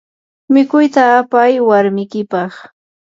mikuyta apayi warmikipaq.